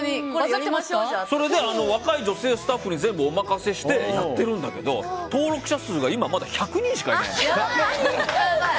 それで若い女性スタッフに全てお任せしてやってるんだけど、登録者数がまだ１００人しかいないの。